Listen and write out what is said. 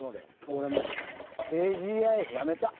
俺もう低ＧＩやめた。